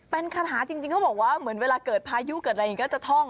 เป็นคาถาจริงเขาบอกว่าเหมือนเวลาเกิดพายุเกิดอะไรอย่างนี้ก็จะท่อง